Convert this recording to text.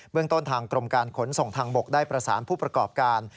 เรื่องต้นทางกรมการขนส่งทางบกได้ประสานผู้ประกอบการ